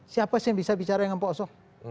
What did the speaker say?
siapa sih yang bisa bicara dengan pak oso